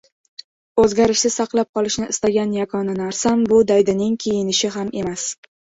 O‘zgarishsiz saqlab qolishni istagan yagona narsam – bu daydining kiyinishi ham emas